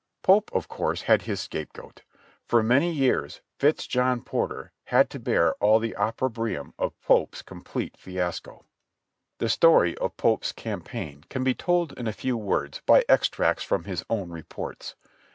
Pope, of course, had his scapegoat. For many years Fitz John Porter had to bear all the opprobrium of Pope's complete fiasco. 262 JOHNNY RHB AND BII.LY YANK The Story of Pope's campaign can be told in a few words by extracts from his own reports.